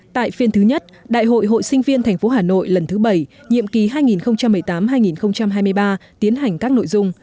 tại phiên thứ nhất đại hội hội sinh viên tp hà nội lần thứ bảy nhiệm kỳ hai nghìn một mươi tám hai nghìn hai mươi ba tiến hành các nội dung